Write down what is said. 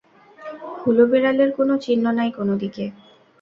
হুলো বেড়ালের কোন চিহ্ন নাই কোনও দিকে।